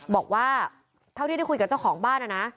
บอกว่าเท่าคืนคุยกับเจ้าของบ้าน